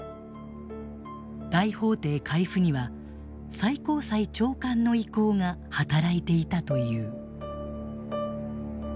大法廷回付には最高裁長官の意向が働いていたという。